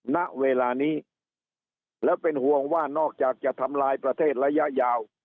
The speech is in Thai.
ณเวลานี้แล้วเป็นห่วงว่านอกจากจะทำลายประเทศระยะยาว